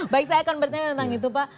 baik saya akan bertanya tentang itu pak